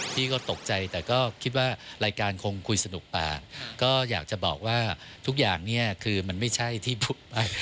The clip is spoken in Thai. พี่ก็ตกใจแต่ก็คิดว่ารายการคงคุยสนุกปากก็อยากจะบอกว่าทุกอย่างเนี่ยคือมันไม่ใช่ที่พูดไป